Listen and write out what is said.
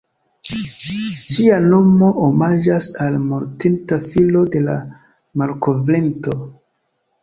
Ĝia nomo omaĝas al mortinta filo de la malkovrinto.